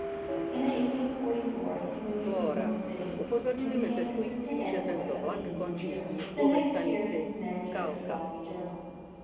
In 1844 he moved to New York City and became assistant editor of the Evening Mirror. The next year he was manager of the Broadway Journal.